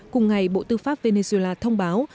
cùng ngày bộ tư pháp venezuela thông báo